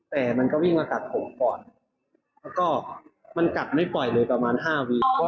แต่มันก็วิ่งมากัดผมก่อนแล้วก็มันกัดไม่ปล่อยเลยประมาณ๕วิ